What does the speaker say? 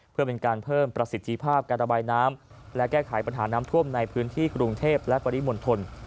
เพื่อเป็นการเพิ่มประสิทธิภาพการระบายน้ำและแก้ไขปัญหาน้ำท่วมในพื้นที่กรุงเทพและปริมณฑล